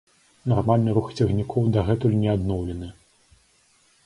Нармальны рух цягнікоў дагэтуль не адноўлены.